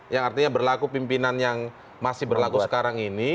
yang artinya berlaku pimpinan yang masih berlaku sekarang ini